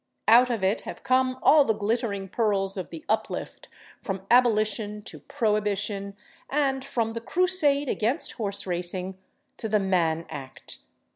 Out of it have come all the glittering pearls of the uplift, from Abolition to Prohibition, and from the crusade against horseracing to the Mann Act.